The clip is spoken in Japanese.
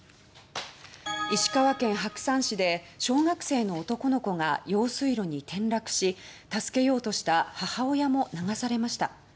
石川県白山市で小学生の男の子が用水路に転落し助けようとした母親も流されました。